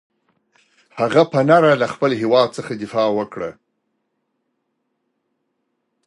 هغه په نره له خپل هېواد څخه دفاع وکړه.